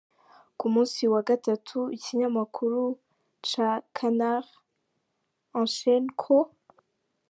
Ku musi wa gatatu ikinyamakuru ca Canard Enchaine ko:.